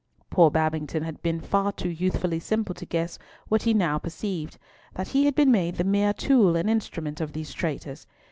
Poor Babington had been far too youthfully simple to guess what he now perceived, that he had been made the mere tool and instrument of these traitors.